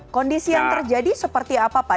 kondisi yang terjadi seperti apa pak